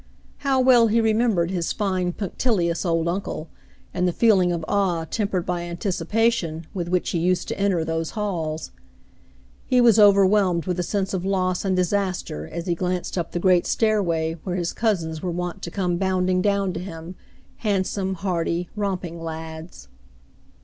How well he remembered his fine, punctilious old uncle, and the feeling of awe tempered by anticipation with which he used to enter those halls. He was overwhelmed with a sense of loss and disaster as he glanced up the great stairway where his cousins were wont to come bound ing down to him, handsome, hearty, romping lads.